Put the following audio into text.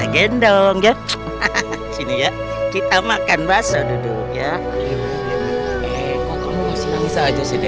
gendong ya sini ya kita makan basah duduk ya